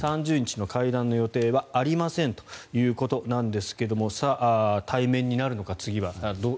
３０日の会談の予定はありませんということですが対面になるのか、次は。